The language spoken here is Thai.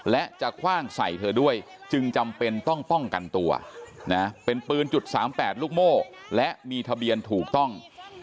และจะคว่างใส่เธอด้วยจึงจำเป็นต้องป้องกันตัวนะเป็นปืน๓๘ลูกโม่และมีทะเบียนถูกต้อง